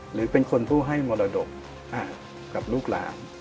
หรือเป็นคนที่ให้เหมาะอันดับกับลูกล้าน